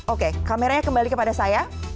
oke kameranya kembali kepada saya